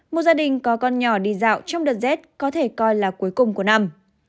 một gia đình có con nhỏ đi dạo trong đợt rét có thể coi là cuối cùng của năm